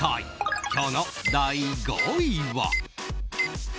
今日の第５位は。